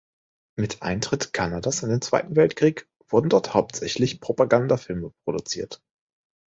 Mit Eintritt Kanadas in den Zweiten Weltkrieg wurden dort hauptsächlich Propagandafilme produziert.